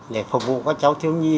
để phục vụ các cháu thiếu nhi